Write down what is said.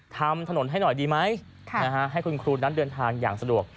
ทำถนนให้หน่อยดีไหมให้คุณครูนั้นเดินทางอย่างสะดวก